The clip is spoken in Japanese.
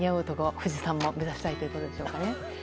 富士山も目指したいということでしょうか。